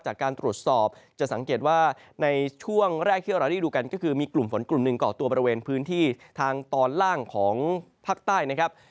จากการตรวจสอบจะสังเกตว่าในช่วงแรกที่เราได้ดูกันก็คือมีกลุ่มฝนกลุ่มหนึ่งเกาะตัวบริเวณพื้นที่ทางตอนล่างของภาคใต้นะครับ